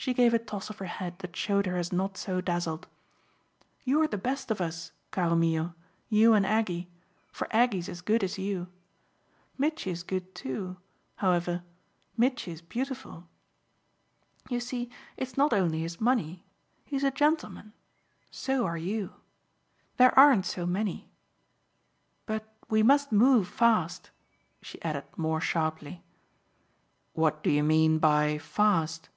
She gave a toss of her head that showed her as not so dazzled. "You're the best of us, caro mio you and Aggie: for Aggie's as good as you. Mitchy's good too, however Mitchy's beautiful. You see it's not only his money. He's a gentleman. So are you. There aren't so many. But we must move fast," she added more sharply. "What do you mean by fast?"